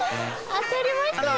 当たりましたよ。